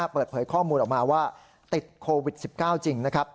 เปิดเผยข้อมูลออกมาว่าติดโควิด๑๙จริงนะครับ